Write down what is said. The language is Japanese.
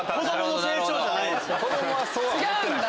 違うんだ。